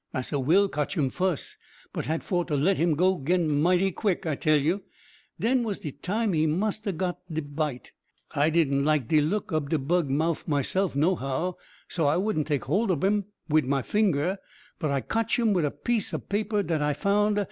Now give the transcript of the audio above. Massa Will cotch him fuss, but had for to let him go 'gin mighty quick, I tell you den was de time he must ha' got de bite. I didn't like de look ob de bug mouff, myself, nohow, so I wouldn't take hold ob him wid my finger, but I cotch him wid a piece ob paper dat I found.